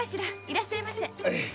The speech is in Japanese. いらっしゃいませ。